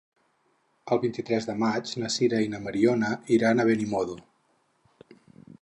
El vint-i-tres de maig na Sira i na Mariona iran a Benimodo.